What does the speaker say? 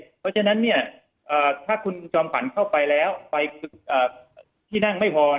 เพราะฉะนั้นถ้าคุณจอมขวัญเข้าไปแล้วไปที่นั่งไม่พอ